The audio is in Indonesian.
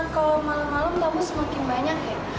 kalau malam malam kamu semakin banyak ya